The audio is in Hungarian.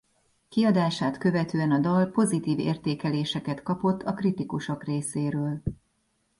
Kiadását követően a dal pozitív értékeléseket kapott a kritikusok részéről.